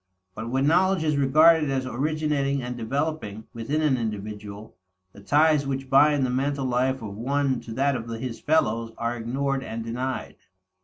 But when knowledge is regarded as originating and developing within an individual, the ties which bind the mental life of one to that of his fellows are ignored and denied.